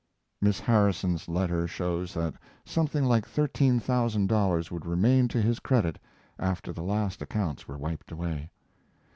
Miss Harrison's letter shows that something like thirteen thousand dollars would remain to his credit after the last accounts were wiped away.